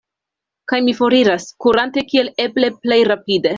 Kaj mi foriras, kurante kiel eble plej rapide.